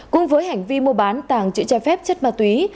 cùng với hành vi mua bán tàng chữ trái phép chất ma túy